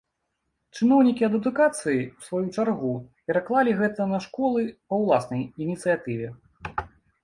Чыноўнікі ад адукацыі, у сваю чаргу, пераклалі гэта на школы па уласнай ініцыятыве.